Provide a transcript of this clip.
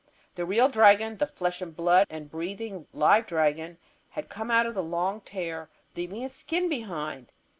The real dragon, the flesh and blood and breathing live dragon, had come out of that long tear, leaving his skin behind!